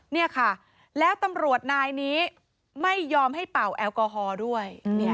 นี่ค่ะแล้วตำรวจนายนี้ไม่ยอมให้เป่าแอลกอฮอล์ด้วย